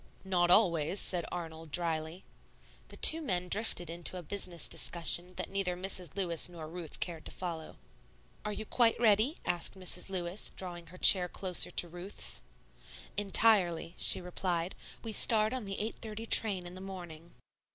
"Not always," said Arnold, dryly. The two men drifted into a business discussion that neither Mrs. Lewis nor Ruth cared to follow. "Are you quite ready?" asked Mrs. Lewis, drawing her chair closer to Ruth's. "Entirely," she replied; "we start on the 8.30 train in the morning."